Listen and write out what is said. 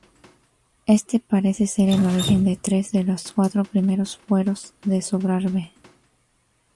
Este parece ser el origen de tres de los cuatro primeros fueros de Sobrarbe.